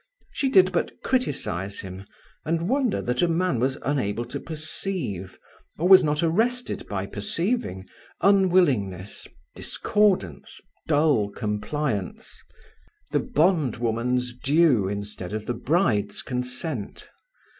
She did but criticize him and wonder that a man was unable to perceive, or was not arrested by perceiving, unwillingness, discordance, dull compliance; the bondwoman's due instead of the bride's consent.